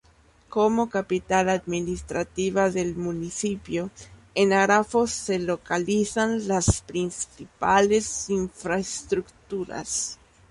Como capital administrativa del municipio, en Arafo se localizan las principales infraestructuras.